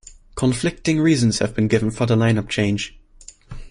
Conflicting reasons have been given for the line-up change.